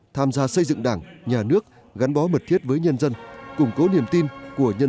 tham gia xây dựng đảng nhà nước gắn bó mật thiết với nhân dân củng cố niềm tin của nhân dân